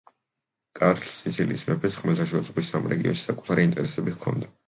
კარლს, სიცილიის მეფეს, ხმელთაშუა ზღვის ამ რეგიონში საკუთარი ინტერესები ჰქონდა.